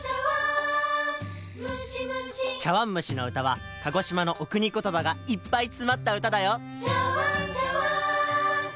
「ちゃわんむしのうた」は鹿児島のおくにことばがいっぱいつまったうただよ！